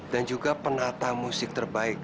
juga penata musik terbaik